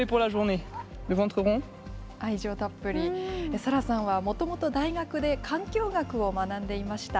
サラさんはもともと大学で環境学を学んでいました。